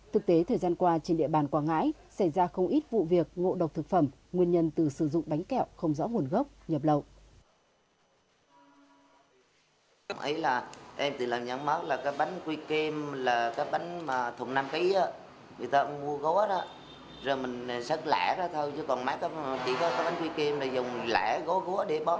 thực tế thời gian qua trên địa bàn quảng ngãi xảy ra không ít vụ việc ngộ độc thực phẩm nguyên nhân từ sử dụng bánh kẹo không rõ nguồn gốc nhập lậu